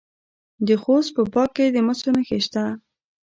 د خوست په باک کې د مسو نښې شته.